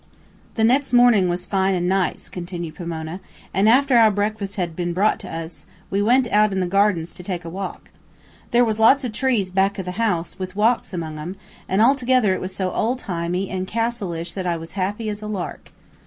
"The nex' mornin' was fine an' nice," continued Pomona, "an' after our breakfast had been brought to us, we went out in the grounds to take a walk. There was lots of trees back of the house, with walks among 'em, an' altogether it was so ole timey an' castleish that I was as happy as a lark.